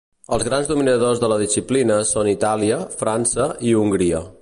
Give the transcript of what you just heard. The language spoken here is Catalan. Els grans dominadors de la disciplina són Itàlia, França i Hongria.